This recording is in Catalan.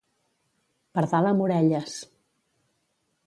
Pardal amb orelles.